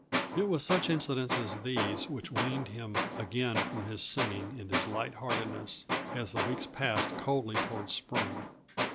It was such incidents as these which weaned him again from his singing and his light heartedness as the weeks passed coldly toward spring.